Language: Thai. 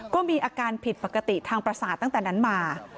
ก็มีอาการผิดปกติทางประสาทตั้งแต่นั้นมา